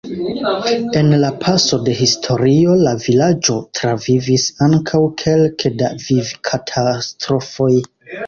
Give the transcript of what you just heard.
En la paso de historio la vilaĝo travivis ankaŭ kelke da vivkatastrofoj.